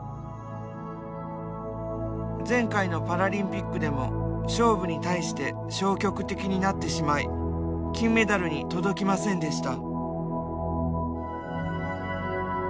前回のパラリンピックでも勝負に対して消極的になってしまい金メダルに届きませんでした。